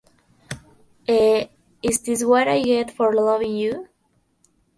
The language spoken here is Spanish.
E "Is This What I Get For Loving You?